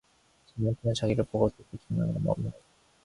자기 남편은 자기를 보고서 꾸짖는 것처럼 엄한 눈을 부릅뜨고 있는 것 같았다.